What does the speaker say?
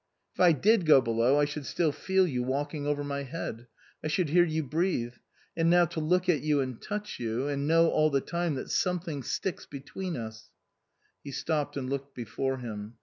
" If I did go below I should still feel you walk ing over my head. I should hear you breathe. And now to look at you and touch you, and know all the time that something sticks between 9) He stopped and looked before him.